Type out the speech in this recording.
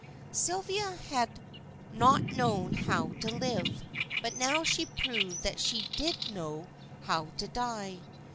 Sylvia had not known how to live, but now she proved that she did know how to die.